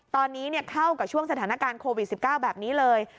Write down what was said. ตอนนี้เข้ากับช่วงสถานการณ์โควิด๑๙แบบนี้เลย